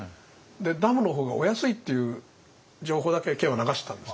ダムの方がお安いっていう情報だけを県は流してたんですね。